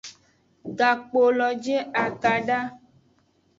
Gakpolo je akada.